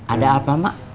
ada apa mak